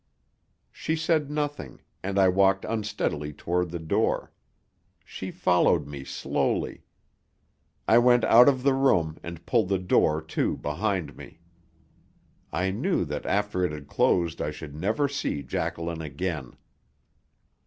She said nothing, and I walked unsteadily toward the door. She followed me slowly. I went out of the room and pulled the door to behind me. I knew that after it had closed I should never see Jacqueline again.